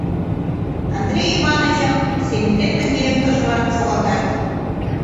Андрей Иванычым семилеткын директоржылан шогалтат.